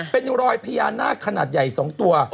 เป็นรอยพญานาคขนาดใหญ่๒ตัว